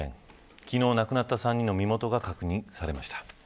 昨日亡くなった３人の身元が確認されました。